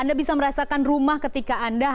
anda bisa merasakan rumah ketika anda